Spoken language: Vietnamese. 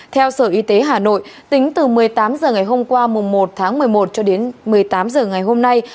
theo sở y tế hà nội tính từ một mươi tám h ngày hôm qua một tháng một mươi một cho đến một mươi tám h ngày hôm nay